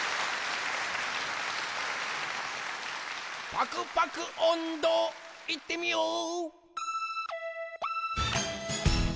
パクパクおんど、いってみよう！